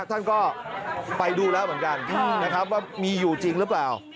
ท่านก็ไปดูแล้วเหมือนกันนะครับว่ามีอยู่จริงหรือเปล่า